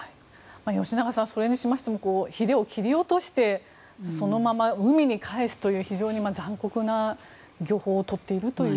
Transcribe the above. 吉永さん、それにしてもひれを切り落としてそのまま海に返すという非常に残酷な漁法を取っているという。